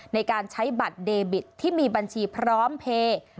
ในการใช้บัตรเดบิตที่มีบัญชีพร้อมเพลย์